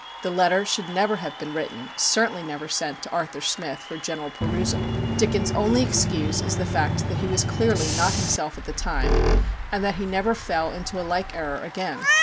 The letter should never have been written, certainly never sent to Arthur Smith for general perusal. Dickens' only excuse is the fact that he was clearly not himself at the time, and that he never fell into a like error again.